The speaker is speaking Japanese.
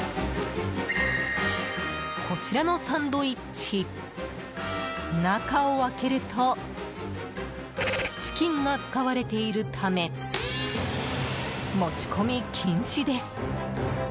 こちらのサンドイッチ中を開けるとチキンが使われているため持ち込み禁止です。